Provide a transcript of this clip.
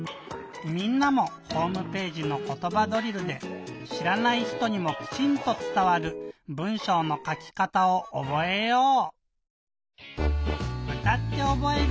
みんなもホームページの「ことばドリル」でしらない人にもきちんとつたわる文しょうのかきかたをおぼえよう！